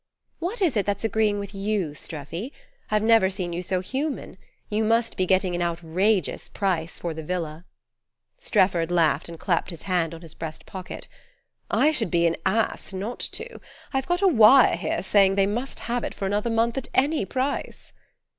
"What is it that's agreeing with you, Streffy? I've never seen you so human. You must be getting an outrageous price for the villa." Strefford laughed and clapped his hand on his breast pocket. "I should be an ass not to: I've got a wire here saying they must have it for another month at any price."